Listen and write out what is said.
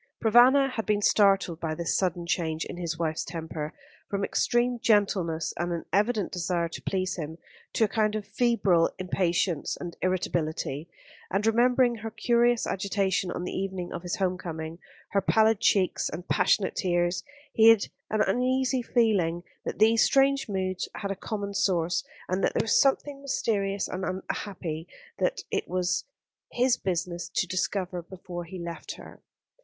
Provana had been startled by this sudden change in his wife's temper, from extreme gentleness and an evident desire to please him, to a kind of febrile impatience and irritability; and remembering her curious agitation on the evening of his home coming, her pallid cheeks and passionate tears, he had an uneasy feeling that these strange moods had a common source, and that there was something mysterious and unhappy that it was his business to discover before he left her.